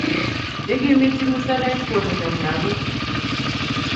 Ikimiti musarek borwekap lagok